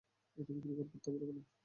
এটা বিক্রি করতে পারব না।